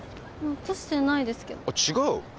落としてないですけどあっ違う？